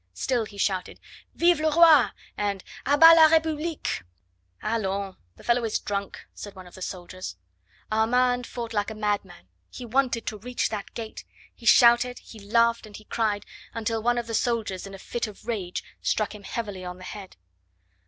Still he shouted: "Vive le roi!" and "A bas la republique!" "Allons! the fellow is drunk!" said one of the soldiers. Armand fought like a madman; he wanted to reach that gate. He shouted, he laughed, and he cried, until one of the soldiers in a fit of rage struck him heavily on the head.